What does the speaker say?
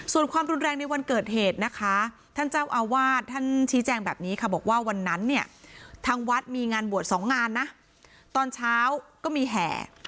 ส่วนความรุนแรงในวันเกิดเหตุนะคะท่านเจ้าอาวาสท่านชี้แจงแบบนี้ค่ะบอกว่าวันนั้นเนี่ยทางวัดมีงานบวชสองงานนะตอนเช้าก็มีแห่